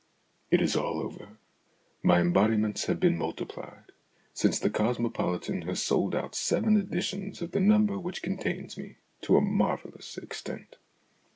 It is all over. My embodiments have been multiplied, since The Cosmopolitan has sold out seven editions of the number which contains me, to a marvellous extent.